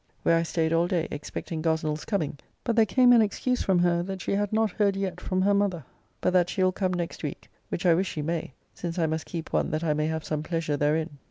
Where I staid all day expecting Gosnell's coming, but there came an excuse from her that she had not heard yet from her mother, but that she will come next week, which I wish she may, since I must keep one that I may have some pleasure therein.